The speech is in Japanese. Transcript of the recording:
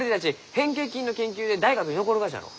変形菌の研究で大学に残るがじゃろ？